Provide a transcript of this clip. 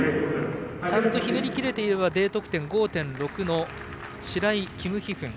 ちゃんとひねりきれていればＤ得点５．９シライ／キム・ヒフン。